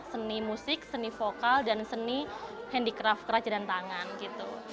seni musik seni vokal dan seni handicraft kerajaan tangan gitu